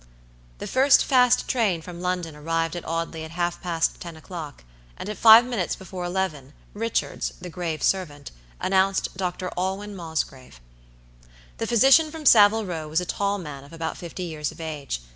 The first fast train from London arrived at Audley at half past ten o'clock, and at five minutes before eleven, Richards, the grave servant, announced Dr. Alwyn Mosgrave. The physician from Saville Row was a tall man of about fifty years of age.